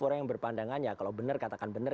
orang yang berpandangan ya kalau benar katakan benar